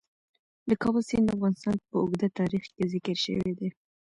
د کابل سیند د افغانستان په اوږده تاریخ کې ذکر شوی دی.